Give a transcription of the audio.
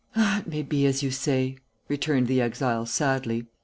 "It may be as you say," returned the exile, sadly.